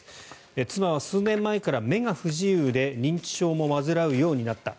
妻は数年前から目が不自由で認知症も患うようになった。